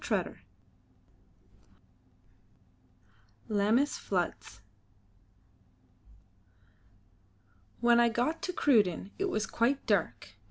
CHAPTER IV LAMMAS FLOODS When I got to Cruden it was quite dark.